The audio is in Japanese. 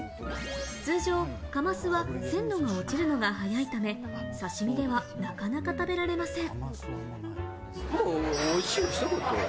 通常カマスは鮮度が落ちるのが早いため、刺身ではなかなか食べられません。